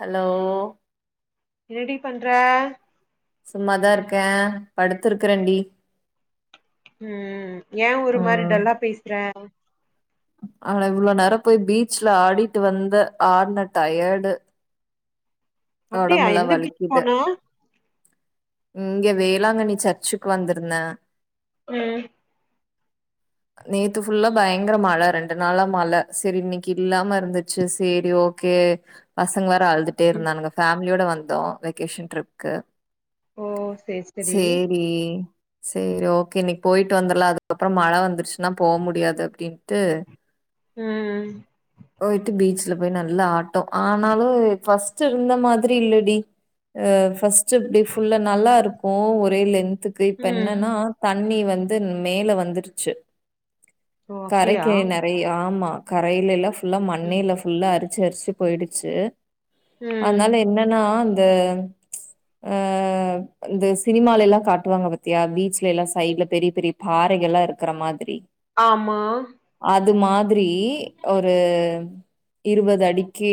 Hello என்னடி பண்ற சும்மாதா இருக்கே படுத்துருக்கறன்டி ம் எ ஒருமாரி ம் டல்லா பேசுறே ஆனா இவ்ளோ நேரோ போய் பீச்ல ஆடிட்டு வந்த ஆட்ன டயட்டு அப்டியா ஒடம்புல்லா எந்த பீச் வலிக்குது போன இங்க வேளாங்கண்ணி சர்ச்சுக்கு வந்துருந்த ம் நேத்து ஃபுல்லா பயங்கர மழ ரெண்டு நாளா மழ சேரி இன்னிக்கு இல்லாம இருந்துச்சு சேரி ஓகே பசங்க வேற அழுதுட்டே ம் இருந்தானுங்க ஃபேமிலியோட வந்தோ வெகேஷன் ட்ரிப்கு ஓ சேரி சேரி சேரி ஓகே இன்னிக் போயிட்டு வந்தர்லா அதுக்கப்பறோ மழ வந்துருச்சுன்னா போ முடியாது அப்டின்டு ம் போயிட்டு பீச்ல போய் நல்லா ஆட்டோ ஆனாலு ஃபஸ்ட்டு இருந்தமாரி இல்லடி ஆ ஃபஸ்ட்டு இப்டி ஃபுல்ல நல்லாருக்கு ஒரே லென்துக் கு இப்ப ம் என்னன்னா தண்ணி வந்து மேல வந்துருச்சு ஓ அப்டியா கரைக்க நெறைய் ஆமா கரையிலேலா ஃபுல்லா மண்ணே ம் இல்ல புல்லா அரிச்சு அரிச்சு போயிடுச்சு ம் அதனால என்னனா அந்த அ இந்த சினிமாலெல்லா காட்டுவாங்க பத்தியா பீச்லேலா சைட்ல பெரிய பெரிய பாறைகள்லா இருக்குற மாதிரி ஆமா அது மாதிரி ஒரு இருவது அடிக்கி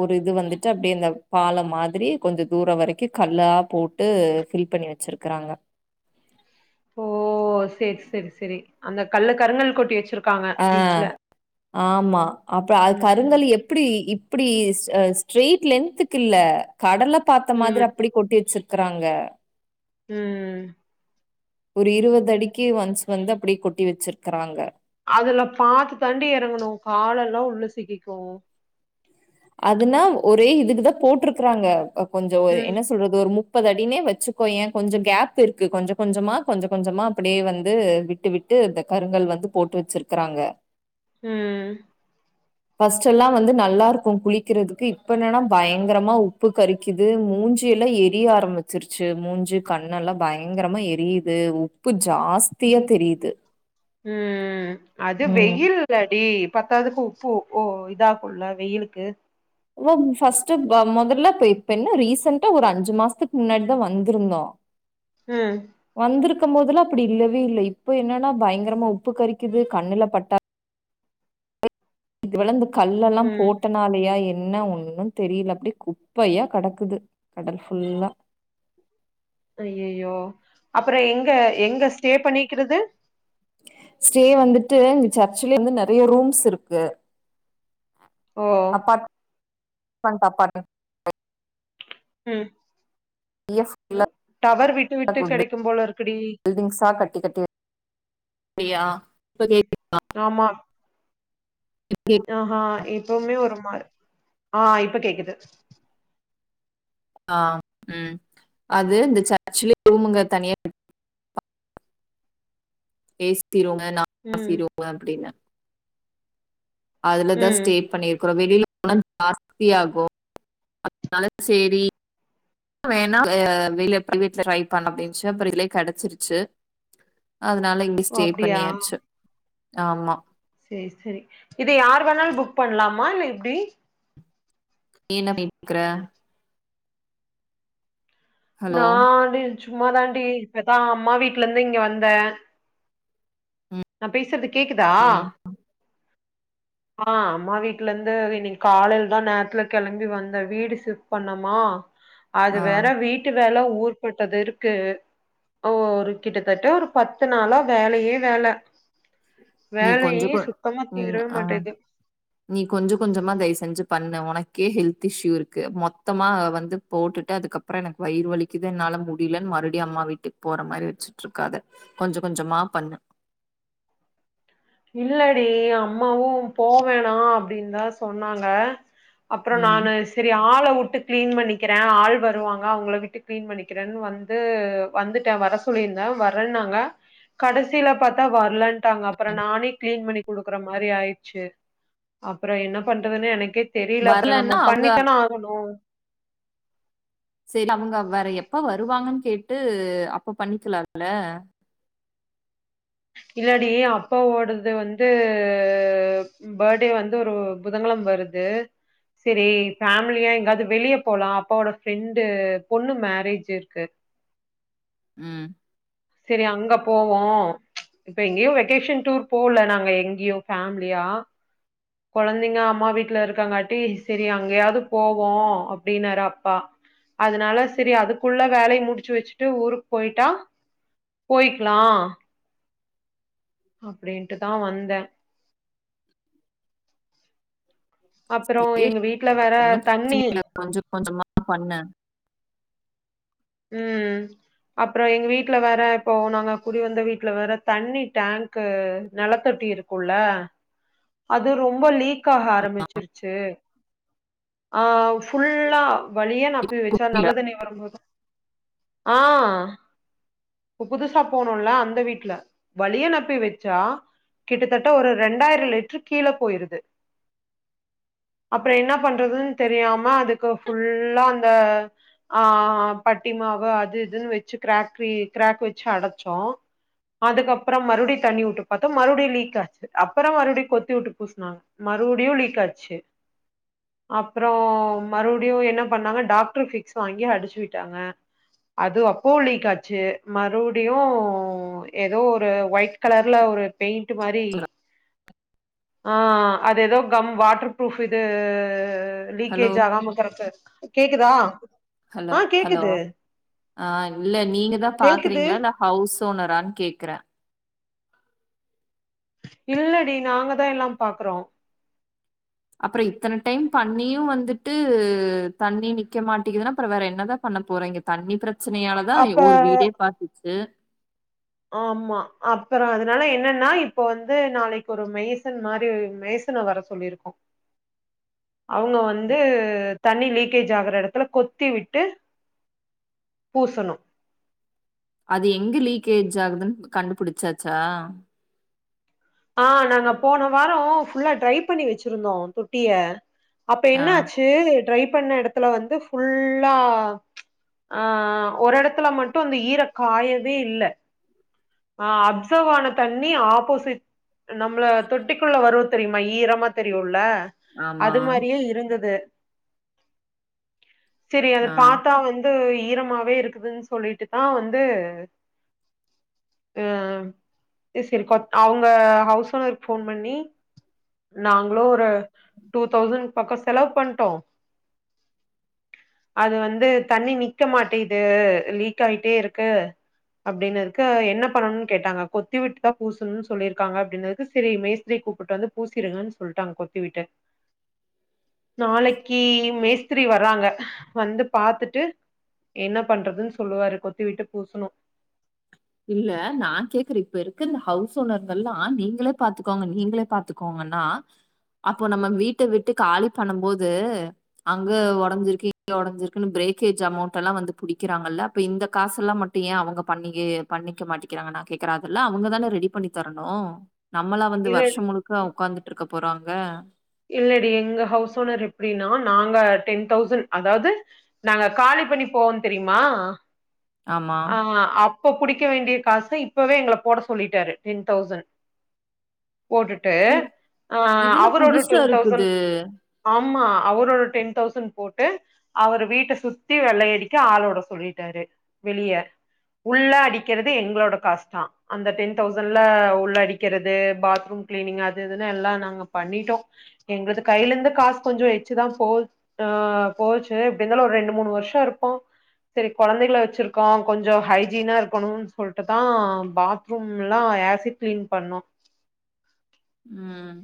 ஒரு இது வந்துட்டு அப்டியே இந்த பால மாதிரி கொஞ்ச தூர வரைக்கி கல்லா போட் ட்டு ஃபில் பண்ணி வச்சிருக்குறாங்க ஓ சேர் சேரி செரி அந்த கல்ல கருங்கல் கொட்டி வச்சிருக் ஆ ஆமா அப்ற அது ம் கருங்கல் எப் ப்டி இப்டி அ ஸ்ட்ரைட் லென்துக்கில்ல கடல பாத்த மாதிரி ம் அப்டி கொட்டி வச்சிருக் க்றாங்க ம் ஒரு இருவது அடிக்கி ஒன்ஸ் வந்து அப்டி கொட்டி வெச்சிருக்குறாங்க அதுல பாத்து தாண்டி எறங்கணு காலெல்லா உள்ள சிக்கிக்கு அதுனா ஒரே இதுக்குதா போட்ருக்குறாங்க அ கொஞ்சோ ம் என்ன சொல்றது ஒரு மு ப்பது அடினே வச்சுக்கோயே கொஞ்ச கேப் இருக்கு கொஞ்ச கொஞ்சமா கொஞ்ச கொஞ்சமா அப்டியே வந்து விட்டு விட் ட்டு இந்த கருங்கல் வந்து போட்டு வச்சிருக்குறாங்க ம் ஃபஸ்ட்டெல்லா வந்து நல்லாருக் கு குளிக்கிறதுக்கு இப்ப என்னனா பயங்கரமா உப்பு கறிக்கிது மூஞ்சியெல்லா எரிய ஆரம்மிச் சிருச்சு மூஞ்சு கண்ணெல்லா பயங்கரமா எரியிது உப்பு ஜாஸ்தியா தெரியுது ம் அது வெயில் லாடி பத்தாததுக்கு உப்பு ஓ இதாகுல வெயிலுக்கு ஓம் ஃபஸ்ட்டு வ மொதல்ல இப்ப இப்ப என்ன ரீசென்டா ஒரு அஞ்சு மாஸ்த்துக்கு முன்னாடிதா வந்திருந்தோ ம் வந்திருக்கம் போதுலா இப்டி இல்லவே இல்ல இப்ப என்னன்னா பயங்கரமா உப்பு கறிக்கிது கண்ணுல பட்டா இது வளந்து கல்லல்லா ம் போட்ட னாலயா என்ன ஒன்னு தெரியல அப்டி குப்பையா கடக்குது கடல் ஃபுல்லா ஐயய்யோ அப்பற எங்க எங்க ஸ்டே பண்ணிக்கிறது ஸ்டே வந்துட்டு இந்த சர்ச்லருந்து நெறைய ரூம்ஸ் இருக்கு ஓ அப்பாட் [inaudible] ண்ட் அப்பாட்மெ ம் வெளிய ஃபுல்லா டவரு விட்டு விட்டு கெடைக்கும் போலருக்குடி பில்டிங்ஸா கட்டிக்கட்டி வ ஃப்ரியா ம் ஆமா கேக்குதா? ஆ ஹா இப்பவுமே ஒரு மாறு ஆ இப்ப கேக்குது ஆ ம் அது இந்த சர்ச்லே ரூமுங்க தனியா இருக் ஏசி ரூமு நா [inaudible] ம் சிரூமு அப்டின்னு அதுலதா ம் ஸ்டே பண்ணிருக்குறோ வெளில உன்னு ஜாஸ்தியாகு அ [inaudible] னால சேரி வேணா அ வெளில பிரைவேட்ல ட்ரை பண்ண அப்டின்ட்டு அப்ற இதுலே கெடச்சிருச்சு அதனால இங்கே ஓ ஸ்டே அப்டியா பண்ணியாச்சு ஆமா சேரி சேரி இத யாரு வேணாலு புக் பண்லாமா இல்ல எப்டி நீ என்ன [inaudible] க்குற ஹலோ நா டி சும்மாதான்டி இப்பதா அம்மா வீட்ல இருந்து இங்க வந்த ம் நா பேசறது கேக்குதா ம் ஆ அம்மா வீட்ல இருந்து இன்னிக்கி காலைலதா நேரத்துல கெளம்பி வந்த வீடு சிப்ட் பண்ணமா ஆ அது வேற வீட்டு வேல ஊர்ப்பட்டது இருக்கு ஓ ஒரு கிட்டத்தட்ட ஒரு பத்து நாளா வேலையே வேல நீ கொஞ்ச வேலையே கொ சுத்தமா ம் தீரவே ஆ மாட்டேது நீ கொஞ்ச கொஞ்சமா தயவு செஞ்சு பண்ணு உனக்கே ஹெல்த் இஷு இருக்கு மொத்தமா வந்து போட்டுட்டு அதுக்கப் அப்றோ எனக்கு வயிறு வலிக்கிது என்னால முடிலன்னு மறுவடி அம்மா வீட்டுக் போற மாரி வெச்சிட்டுருக்காத கொஞ்ச கொஞ்சமா பண்ணு இல்லடி அம்மாவு போவேணா அப்டின்னு தா சொன்னாங்க அப்றோ ம் நானு செரி ஆள விட்டு கிளீன் பண்ணிக்கிறே ஆள் வருவாங்க அவங்கள விட்டு கிளீன் பண்ணிக்கிறேன்னு வந் வந்து வந்துட்டே வர சொல்லியிருந்தே வரன்னாங்க கடசில பாத்தா வர்லன் ம். நானே கிளீன் பண்ணி குடுக்குற மாரி ஆயிடுச்சு அப்றோ என்ன பண்றதுன்னு எனக்கே தெரில அப்றோ நம்ம வரலன்னா அவங்க பண்ணித்தானே ஆகணு சேரி அவங்க வேற எப்ப வருவாங்கன்னு கேட்டு அப்ப பண்ணிக்கலால இல்லடி அப்பாவோடது வந்து ஃபர்ட்டே வந்து ஒரு புதங்கெழம வருது செரி ஃபேமிலியா எங்காது வெளிய போலா அப்பாவோட ஃப்ரெண்டு பொண்ணு மேரேஜ் இருக்கு ம் செரி அங்க போவோ இப்ப எங்கேயு வெகேஷன் டூர் போல நாங்க எங்கேயு ஃபேம்லியா கொழந்தைங்க அம்மா வீட்ல இருக்காங்காட்டி செரி அங்கயாவது போவோ அப்டின்னாரு அப்பா அதனால செரி அதுக்குள்ள வேலைய முடிச்சு வெச்சுட்டு ஊருக்கு போயிட்டா போயிக்கலா அப்டின்ட்டுதா வந்த அப்றோ எங்க வீட்ல வேற தண்ணி கொஞ்ச கொஞ்சமா பண்ணு ம் அப்றோ எங்க வீட்ல வேற இப்போ நாங்க குடி வந்த வீட்ல வேற தண்ணி டேங்க்கு நெலத்தொட்டி இருக் குள்ள அது ரொம்ப லீக் ஆக ஆரம்பிச்சிருச்சு ஆ ஃபுல்லா வளிய நப்பி வெச்சா நல்ல தண்ணி வரும்போது ஆ இப்ப புதுசா போனோல்ல அந்த வீட்ல வளிய நப்பி வெச்சா கிட்டத்தட்ட ஒரு ரெண்டாயிரோ லிட்டர் கீழ போயிருது அப்றோ என்ன பண்றதுன்னு தெரியாம அதுக்கு ஃபுல்லா அந்த ஆ பட்டி மாவு அது இதுன்னு வெச்சு கிராக்ரி கிராக் வெச்சு அடச்சோ அதுக்கப்றோ மறுவடி தண்ணி விட்டு பாத்தா மறுவடி லீக் ஆச்சு அப்றோ மறுவடி கொத்தி விட்டு பூசுனாங்க மறுவடியு லீக்காச்சு அப்றோ மறுவடியு என்ன பண்ணாங்க டாக்டர் பிக்ஸ் வாங்கி அடிச்சு விட்டாங்க அது அப்பவு லீக்காச்சு மறுவடியு ஏதோ ஒரு ஒயிட் கலர்ல ஒரு பெயிண்ட் மாரி ஆ அது ஏதோ கம் வாட்டர் ப்ரூஃப் இது ஹலோ லீக்கேஜ் ஆகாம இக்குறக்கு கேக்குதா ஹலோ ஆ ஹலோ கேக்குது ஆ இல்ல நீங்கதா கேக்குது பாக்குறீங்ளா இல்ல ஹவுஸ் ஓனரான்னு கேக்குற இல்லடி நாங்கதா எல்லா பாக்குறோ அப்பற இத்தன டைம் பண்ணியு வந்துட்டு தண்ணி நிக்க மாட்டேங்கதுன்னா அப்பற வேற என்னதா பண்ண போறிங்க தண்ணி பிரச்சனையாலதா அப்ப ஒரு வீடே பாத்துச்சு ஆமா அப்பற அதனால என்னன்னா இப்ப வந்து நாளைக்கு ஒரு மேய்சன் மாரி மே சன வர சொல்லியிருக்கோ அவங்க வந்து தண்ணி லீக்கேஜ் ஆகிற எடத்துல கொத்தி விட்டு பூசணு அது எங்க லீக்கேஜ் ஆகுதுன்னு கண்டுபிடிச்சாச்சா ஆ நாங்க போன வாரோ ஃபுல்லா ட்ரை பண்ணி வச்சிருந்தோ தொட்டிய அப்ப ஆ என்னாச்சு து ட்ரை பண்ண எடத்துல வந்து ஃபுல்லா ஆ ஒரு எடத்துல மட்டு அந்த ஈர காயவே இல்ல ஆ அப்சர்வான தண்ணி ஆப்போசிட் நம்மள தொட்டிக்குள்ள வரு தெரியுமா ஈரமா தெரியுல்ல ஆமா அது மாரியே இருந்தது சரி அது ஆ பாத்தா வந் ஈரமாவே இருக்குதுன்னு சொல்லிட்டு தா வந்து அ அது சரி அவங்க ஹவுஸ் ஓனருக்கு போன் பண்ணி நாங்களு ஒரு டூ தௌசண்ட் பக்கொ செலவு பண்ட்டோ அது வந்து தண்ணி நிக்க மாட்டே இது லீக் ஆயிட்டே இருக்கு அப்படினதுக்கு என்ன பண்ணணும்னு கேட்டாங்க கொத்தி விட்டுதா பூசணுனு சொல்லிரு இருக்காங்க அப்படினதுக்கு சரி மேஸ்திரி கூப்ட்டு வந்து பூசிருங்கன்னு சொல்ட்டாங்க கொத்தி விட்டு நாளைக்கு மேஸ்திரி வறராங்க வந்து பாத்துட்டு என்ன பண்றதுன் சொல்லுவாரு கொத்தி விட்டு பூசணு இல்ல நா கேக்குறே இப்ப இருக்க இந்த ஹவுஸ் ஓனர்கல்லா நீங்களே பாத்துக்கோங்க நீங்களே பா த்துக்கோங்கன்னா அப்போ நம்ம வீட்ட விட்டு காலி பண்ணும் போது அங்க ஒடஞ்சிருக்கு இங்க ஒடஞ்சிருக்குன்னு பிரேக்கேஜ் அமௌண்ட் எல்லா வந்து புடிக்குறாங்கல்ல அப்ப இந்த காசல்லா மட் அவங்க பண்ணியே பண்ணிக்க மாட்டேிக்கிறாங்க நா கேக்குற இல்ல அவங்கதான ரெடி பண்ணி தரணு நம்மளா வந்து இல்ல வருஷ முழுக்க உக்காந்துட்ருக்க போறாங்க இல்லடி எங்க ஹவுஸ் ஓனர் எப்டின்னா நாங்க டென் தௌசண்ட் அதாவது நாங்க காலி பண்ணி போவோ தெரியுமா ஆமா ஆ அப் இப்ப புடிக்க வேண்டிய காச இப்பவே எங்கள போட சொல்லிட்டாரு டென் தௌசண்ட் போட்டுட் டு இ- இதுன்னு அவரோட புதுசா டென் தௌசண்ட் இருக்குது ஆமா அவரோட டென் தௌசண்ட் போட்டு அவரு வீட்ட சுத்தி வெள்ளையடிக்க ஆளோட சொல்லிட்டாரு வெளிய உள்ளா அடிக்கிறது எங்களோட காஸ்தா அந்த டென் தௌசண்ட்ல உள்ளடிக்கிறது பாத்ரூம் க்ளீனிங் அது இதுல்லா எல்லா நாங்க பண்ணிட்டோ எங்கள்து கையில இருந்து காசு கொஞ்ச எச்சுதா போ ஆ போச்சு இப்டி இருந்தாலு ஒரு ரெண்டு மூணு வருசோ இருப்போ சரி கொழந்தைகள வச்சிருக்கோ கொஞ்ச ஹைஜீனா இருக்கணும்னு சொல்ட்டுதா பாத் ரூம் எலா ஆசிட் க்ளீன் பண்ணோ ம்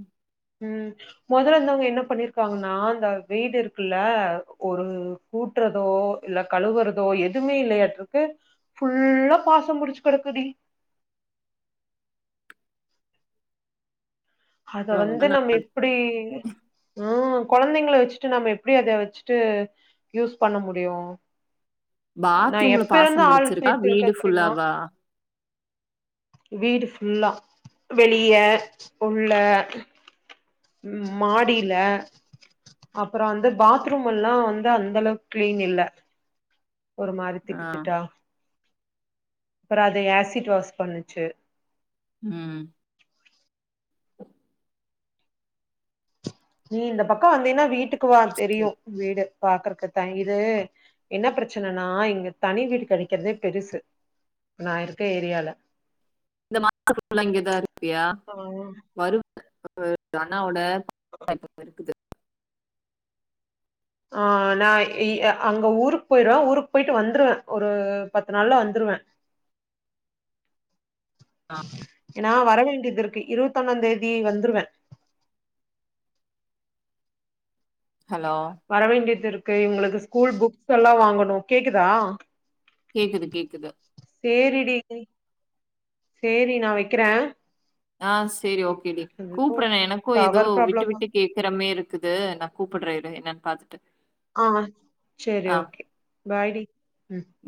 ம் மொதல இருந்தவங்க என்ன பண்ணிருக்காங்கன்னா அந்த வீடு இருக்குல்ல ஒரு கூட்டுறதோ இல்ல கழுவுறதோ எதுவுமே இல்லையாட்ருக்கு ஃபுல்லா பாசம் புடிச்சு கெடக்குடி அத வந்து ரொம்ப நம்ம எப்டி ஆ கொழந்தைங்கள வச்சிட்டு நம்ம எப்டி அத வச்சுட்டு யூஸ் பண்ண முடியு நா பாத்ரூம்ல எப்ப இருந்து பாசம் பிடிச்சிருக்கா ஆலோஸ்ச்ட்டுருக்கே வீடு தெரிமா ஃபுல்லாவா வீடு ஃபுல்லா வெளிய உள்ள ம் மாடில அப்பறோ வந்து பாத்ரூம் எல்லா வந்து அந்தளவுக் கிளீன் இல்ல ஒரு மாரி ஆ திட்டு திட்டா அப்றோ அது ஏசிட் வாஷ் பண்ணுச்சு ம் நீ இந்த பக்கோ வந்தீன்னா வீட்டுக்கு வா தெரியு வீடு பாக்கறக்கு த இது என்ன பிரச்சனனா இங்க தனி வீடு கெடைக்கறதே பெருசு ப்ப நா இருக்க ஏரியால மாச ஃபுல்லா இங்கதா இருப்பியா ஆ வரு [inaudible] அண்ணாவோட [inaudible] இருக்குது ஆ நா இ அ அங்க ஊருக் போய்டுவே ஊருக் போய்ட்டு வந்துருவே ஒரு பத்து நாள்ல வந்துருவே [inaudible] ஆ நா வரவேண்டியதிருக்கு இருவத்தொன்னாந்தேதி வந்துருவே ஹலோ வரவேண்டியதிருக்கு இவுங்களுக்கு ஸ்கூல் புக்ஸ் எல்லா வாங்கணு கேக்குதா கேக்குது கேக்குது சேரிடி சேரி நா வெக்கறே ஆ சேரி ஓகேடி கூப்பட்றே எனக்கு எதோ டவர் விட்டு ப்ராப்ளமா விட்டு கேக்கற மேர்ரு க்குது நா கூப்பட்ற இரு என்னன் பாத்துட்டு ஆமா சேரி ஓகே பாய்டி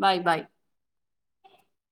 பாய் பாய்